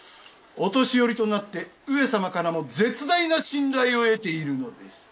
御年寄となって上様からも絶大な信頼を得ているのです。